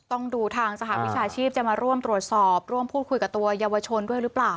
ต้องดูทางสหวิชาชีพจะมาร่วมตรวจสอบร่วมพูดคุยกับตัวเยาวชนด้วยหรือเปล่า